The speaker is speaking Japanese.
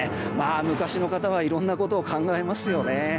昔の方はいろんなことを考えますよね。